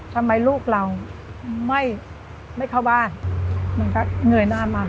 ทำไมลูกเราไม่ไม่เข้าบ้านมันก็เหนื่อยหน้ามัน